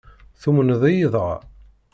Tumneḍ-iyi dɣa?